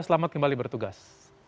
selamat kembali bertugas